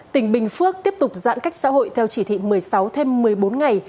tỉnh bình phước tiếp tục giãn cách xã hội theo chỉ thị một mươi sáu thêm một mươi bốn ngày